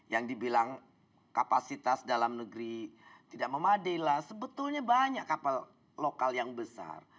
yang dibilang kapasitas dalam negeri tidak memadai lah sebetulnya banyak kapal lokal yang besar